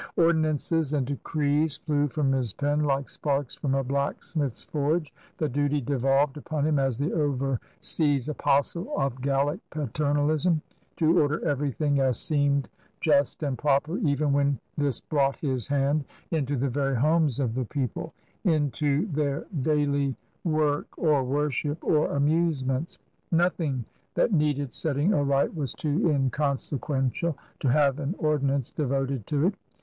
Ordinances and decrees flew from his pen like sparks from a blacksmith's forge. The duty devolved upon him as the overseas apostle of Gallic paternalism to ^' order everything as seemed just and proper, '' even when this brought his hand THE AGE OF LOUIS QUATORZE e» into the very homes of the people, into their daily work or worship or amusements. Nothing that needed setting aright was too inconsequential to have an ordinance devoted to it.